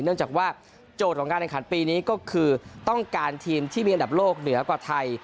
เนื่องจากว่าโจทย์ของการแข่งขันปีนี้ก็คือต้องการทีมที่มีอันดับโลกเหนือกว่าไทย